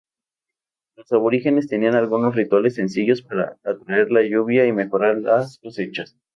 Los aborígenes tenían algunos rituales sencillos para atraer la lluvia y mejorar las cosechas.